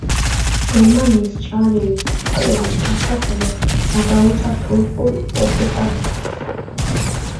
გერმანიის ჩარევის წყალობით საქართველო გადაურჩა თურქულ ოკუპაციას.